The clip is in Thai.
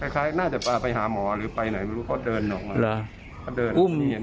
คล้ายน่าจะพาไปหาหมอหรือไปไหนไม่รู้เขาเดินออกมาเหรอ